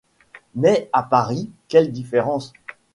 Mais à Paris, quelle différence !